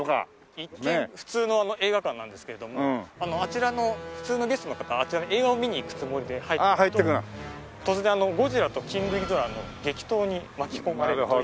一見普通の映画館なんですけれどもあちらの普通のゲストの方あちらに映画を見にいくつもりで入ると突然ゴジラとキングギドラの激闘に巻き込まれるという。